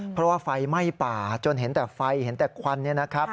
เพราะว่าไฟไหม้ป่าจนเห็นแต่ไฟเห็นแต่ควัน